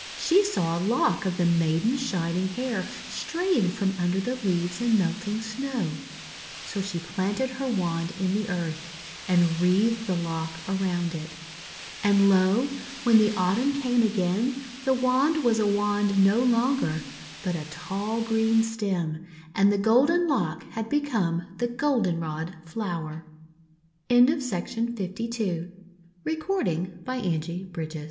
She saw a lock of the maiden's shining hair THE OLD WITCH 137 straying from under the leaves and melting Snow; so she planted her wand in the earth, and wreathed the lock around it. And, lo! when the Autumn came again the wand was a wand no longer, but a tall green stem; and the golden lock had become the Goldenrod flower. THE OLD WITCH WHO WAS A BURR Skid